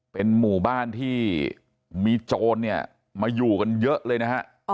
เป็นหมู่บ้านที่มีโจรเนี่ยมาอยู่กันเยอะเลยนะฮะ